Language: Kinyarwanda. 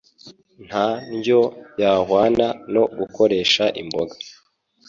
Nta ndyo yahwana no gukoresha imboga